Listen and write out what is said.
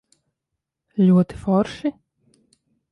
Ļoti forši?